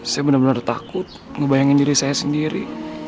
saya benar benar takut ngebayangin diri saya sendiri